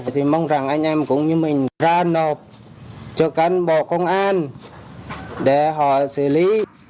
thì mong rằng anh em cũng như mình ra nộp cho cán bộ công an để họ xử lý